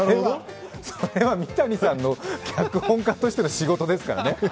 それは三谷さんの脚本家としての仕事ですからね。